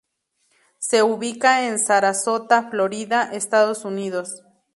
Se ubica en Sarasota, Florida, Estados Unidos.